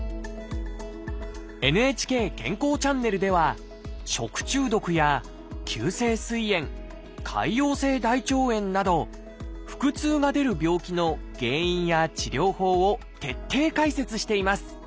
「ＮＨＫ健康チャンネル」では食中毒や急性すい炎潰瘍性大腸炎など腹痛が出る病気の原因や治療法を徹底解説しています。